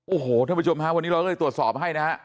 โอ้โหท่านผู้ชมฮะวันนี้เราก็เลยตรวจสอบให้นะฮะ